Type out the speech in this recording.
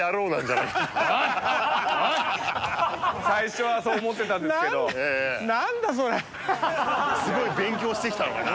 最初はそう思ってたんですけどすごい勉強してきたのかな？